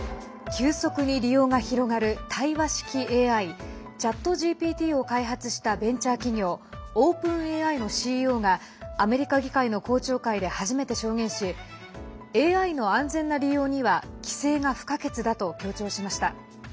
急速に利用が広がる対話式ＡＩＣｈａｔＧＰＴを開発したベンチャー企業オープンＡＩのＣＥＯがアメリカ議会の公聴会で初めて証言しＡＩの安全な利用には規制が不可欠だと強調しました。